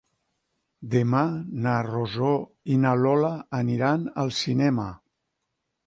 Demà na Rosó i na Lola aniran al cinema.